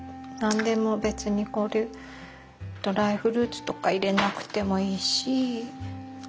別にこれドライフルーツとか入れなくてもいいし。